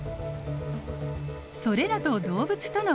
それらと動物とのちがい。